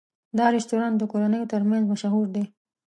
دا رستورانت د کورنیو تر منځ مشهور دی.